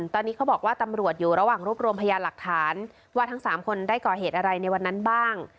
ตอนนี้เขาบอกว่าตำรวจอยู่ระหว่างรวบรวมพยานหลักฐานว่าทั้ง๓คนได้ก่อเหตุอะไรในวันนั้นบ้าง